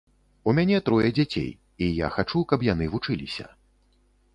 У мяне трое дзяцей і я хачу, каб яны вучыліся.